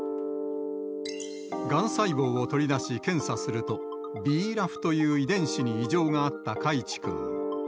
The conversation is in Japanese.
がん細胞を取り出し、検査すると、ビーラフという遺伝子に異常があった海智君。